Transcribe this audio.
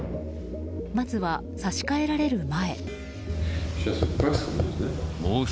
まずは差し換えられる前。